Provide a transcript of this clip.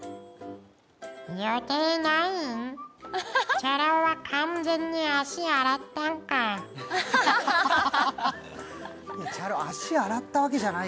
チャラ男は完全に足をあらったんかい？